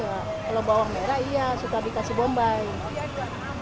kalau bawang merah iya suka dikasih bombay